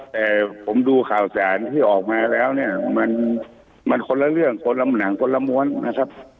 แต่ผมดูข่าวสารที่ออกมาแล้วเนี่ยมันคนละเรื่องคนละหนังคนละม้วนนะครับ